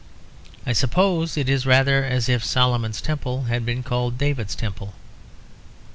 I suppose it is rather as if Solomon's Temple had been called David's Temple.